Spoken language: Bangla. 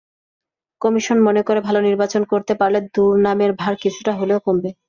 কমিশন মনে করে, ভালো নির্বাচন করতে পারলে দুর্নামের ভার কিছুটা হলেও কমবে।